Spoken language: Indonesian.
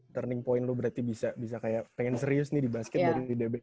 turning point lu berarti bisa kayak pengen serius nih di basket dari dbl itu lah ya